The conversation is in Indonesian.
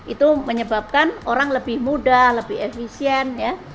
itu menyebabkan orang lebih mudah lebih efisien ya